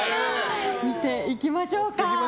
見ていきましょうか。